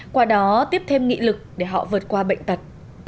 qua đó tiếp thêm nghị lực để họ vượt qua bệnh tật